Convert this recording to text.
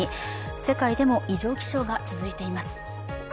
世界でも異常気象が続いています。